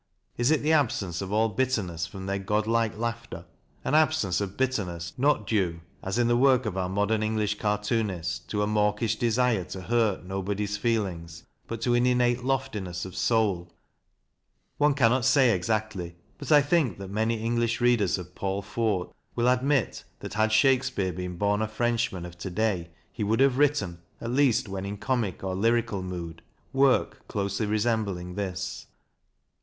Is it the absence of all bitterness from their godlike laughter, an absence of bitterness not due, as in the work of our modern PAUL FORT 269 English cartoonists, to a mawkish desire to hurt nobody's feelings, but to an innate loftiness of soul? One cannot say exactly, but I think that many English readers of Paul Fort will admit that had Shakespeare been born a Frenchman of to day he would have written, at least when in comic or lyric mood, work closely resembling this.